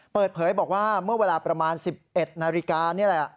เปิดเผยบอกว่าเมื่อเวลาประมาณ๑๑นาฬิกานี่แหละ